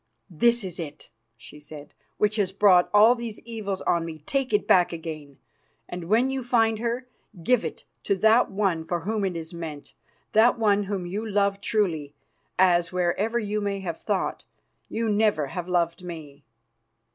"This it is," she said, "which has brought all these evils on me. Take it back again, and, when you find her, give it to that one for whom it is meant, that one whom you love truly, as, whatever you may have thought, you never have loved me."